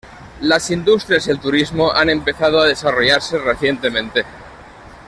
Las industrias y el turismo han empezado a desarrollarse recientemente.